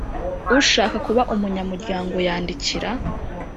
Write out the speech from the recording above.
Ushaka kuba Umunyamuryango yandikira